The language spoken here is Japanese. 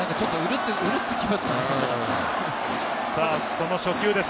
その初球です。